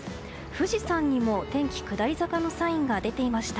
富士山にも天気下り坂のサインが出ていました。